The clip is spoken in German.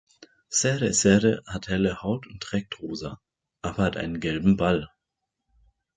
CereCere hat helle Haut und trägt Rosa, aber hat einen gelben Ball.